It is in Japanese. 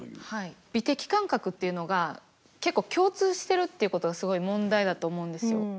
美的感覚っていうのが結構共通してるっていうことがすごい問題だと思うんですよ。